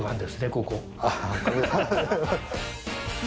ここ。